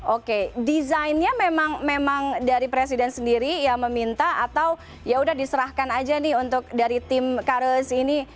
oke desainnya memang dari presiden sendiri ya meminta atau yaudah diserahkan aja nih untuk dari tim kares ini